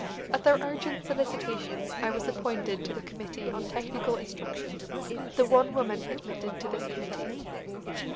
At their urgent solicitation I was appointed to the Committee on Technical Instruction, the one woman admitted to this committee.